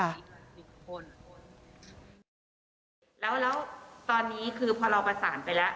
แล้วตอนนี้คือพอเราประสานไปแล้ว